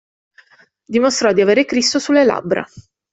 Dimostrò di avere Cristo sulle labbra.